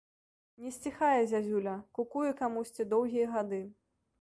Не сціхае зязюля, кукуе камусьці доўгія гады.